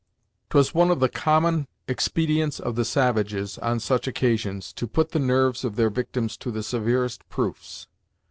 'Twas one of the common expedients of the savages, on such occasions, to put the nerves of their victims to the severest proofs.